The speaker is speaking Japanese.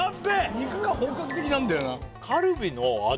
肉が本格的なんだよな